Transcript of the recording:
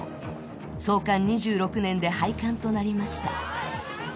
創刊２６年で廃刊となりました。